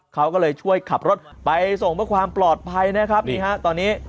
เขาก็เลยช่วยขับรถไปส่งเพื่อความปลอดภัยนะครับนี่ฮะตอนนี้